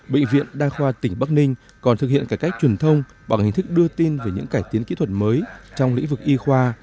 bệnh viện đa khoa tỉnh bắc ninh còn thực hiện cải cách truyền thông bằng hình thức đưa tin về những cải tiến kỹ thuật mới trong lĩnh vực y khoa